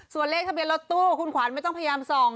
ส่วนเลขทะเบียนรถตู้คุณขวัญไม่ต้องพยายามส่อง